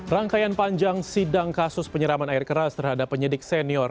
rangkaian panjang sidang kasus penyeraman air keras terhadap penyidik senior